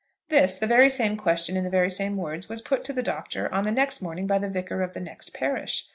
This, the very same question in the very same words, was put to the Doctor on the next morning by the vicar of the next parish.